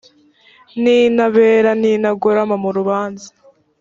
ni intabera n’intagorama murubanza.